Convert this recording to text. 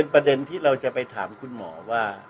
ประเด็นที่เราจะไปถามคุณหมอว่า